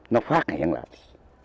nó phát hiện lại